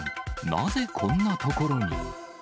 なぜこんな所に。